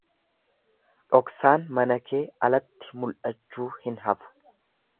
Dhoksaan mana kee alatti mula'achuu hin hafu.